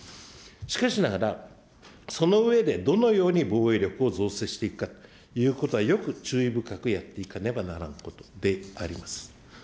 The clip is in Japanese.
しかしながら、その上で、どのように防衛力を造成していくかということは、よく注意深くやっていかねばならんことでございます。